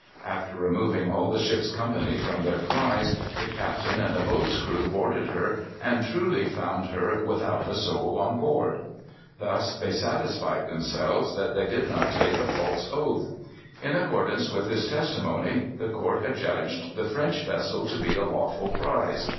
After removing all the ship's company from their prize the captain and a boat's crew boarded her, and truly found her "without a soul on board." Thus they satisfied themselves that they did not take a false oath. In accordance with this testimony the court adjudged the French vessel to be a lawful prize.